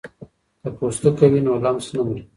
که پوستکی وي نو لمس نه مري.